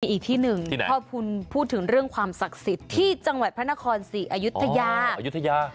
อีกที่หนึ่งที่พ่อพุนพูดถึงเรื่องความศักดิ์สิทธิ์ที่จังหวัดพระนครศรีอยุธยาอายุทยา